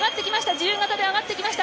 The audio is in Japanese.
自由形で上がってきました